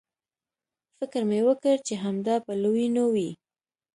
فکر مې وکړ چې همدا به لویینو وي.